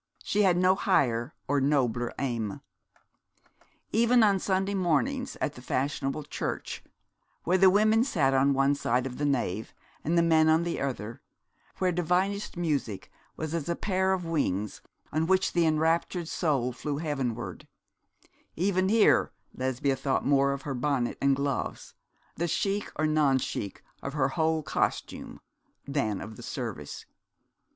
She had no higher or nobler aim. Even on Sunday mornings at the fashionable church, where the women sat on one side of the nave and the men on the other, where divinest music was as a pair of wings, on which the enraptured soul flew heavenward even here Lesbia thought more of her bonnet and gloves the chic or non chic of her whole costume, than of the service.